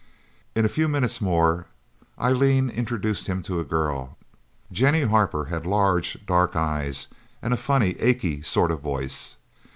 In a few minutes more, Eileen introduced him to a girl. Jennie Harper had large dark eyes, and a funny, achy sort of voice.